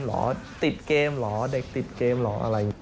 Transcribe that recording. หรอติดเกมหรอเด็กติดเกมหรออะไรอย่างนี้